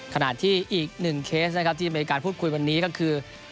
ขนาดที่อีก๑เคสที่อเมริกาพูดคุยวันนี้ก็คือ